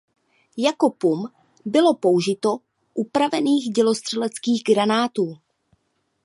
Jako pum bylo použito upravených dělostřeleckých granátů.